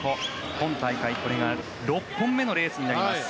今大会これが６本目のレースになります。